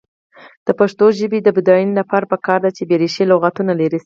د پښتو ژبې د بډاینې لپاره پکار ده چې بېریښې لغتونه لرې شي.